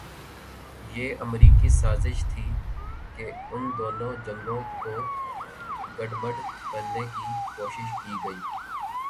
یہ امریکی سازش تھی کہ ان دونوں جنگوں کوگڈمڈ کرنے کی کوشش کی گئی۔